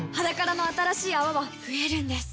「ｈａｄａｋａｒａ」の新しい泡は増えるんです